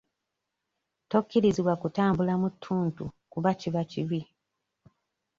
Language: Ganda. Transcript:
Tokkirizibwa kutambula mu ttuntu kuba kiba kibi.